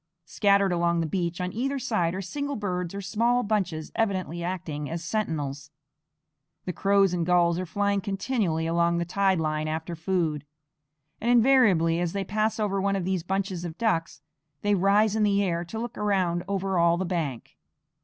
Scattered along the beach on either side are single birds or small bunches evidently acting as sentinels. The crows and gulls are flying continually along the tide line after food; and invariably as they pass over one of these bunches of ducks they rise in the air to look around over all the bank.